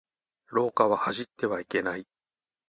廊下は走ってはいけない。